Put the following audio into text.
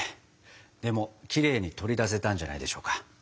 でもきれいに取り出せたんじゃないでしょうか。